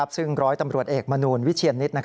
ซึ่งร้อยตำรวจเอกมนูลวิเชียนนิต